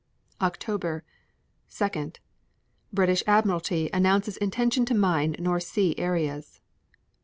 October 2. British Admiralty announces intention to mine North Sea areas.